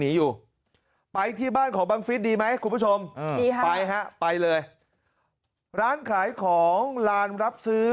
อยู่ไปที่บ้านของบังฟิศดีไหมคุณผู้ชมดีฮะไปฮะไปเลยร้านขายของลานรับซื้อ